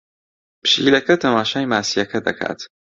پشیلەکە تەماشای ماسییەکە دەکات.